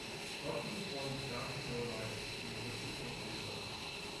Brodkey was born in Staunton, Illinois, to an illiterate junk dealer.